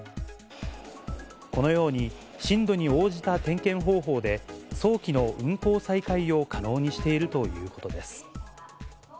このように、震度に応じた点検方法で、早期の運行再開を可能にしているということです。